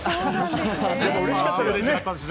うれしかったですね。